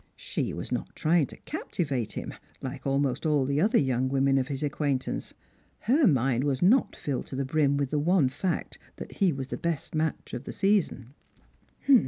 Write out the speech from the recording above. She was not trying to captivate him, like almost all the other young women of his acquaintance. Her mind was not filled to the brim with the one fact that he was the best match of the season.